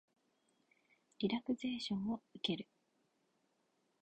リラクゼーションを受ける